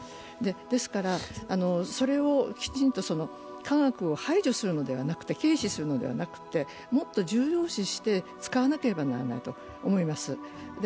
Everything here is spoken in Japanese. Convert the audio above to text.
ですから、きちんと科学を排除するのではなく、軽視するのではなくてもっと重要視して使わなければならないと思います。